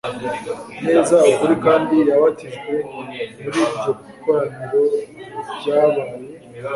neza ukuri kandi yabatijwe muri iryo koraniro ryabaye